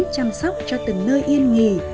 chăm sóc cho từng nơi yên nghỉ